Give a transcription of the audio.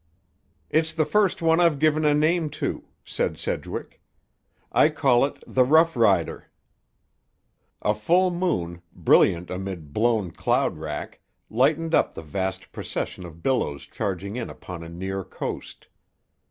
"It's the first one I've given a name to," said Sedgwick. "I call it The Rough Rider." A full moon, brilliant amid blown cloud rack, lighted up the vast procession of billows charging in upon a near coast.